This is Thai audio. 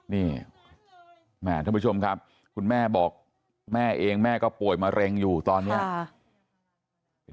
นี่แม่ท่านผู้ชมครับคุณแม่บอกแม่เองแม่ก็ป่วยมะเร็งอยู่ตอนนี้